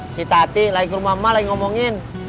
si tati lagi ke rumah ma lagi ngomongin